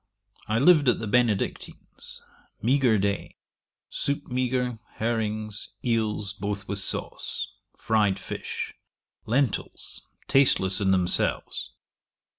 I lived at the Benedictines; meagre day; soup meagre, herrings, eels, both with sauce; fryed fish; lentils, tasteless in themselves.